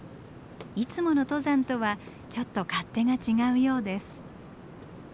いつもの登山とはちょっと勝手が違うようです。